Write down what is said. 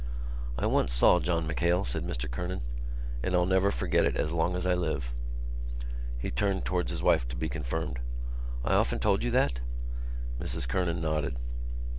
"I once saw John MacHale," said Mr Kernan, "and I'll never forget it as long as I live." He turned towards his wife to be confirmed. "I often told you that?" Mrs Kernan nodded.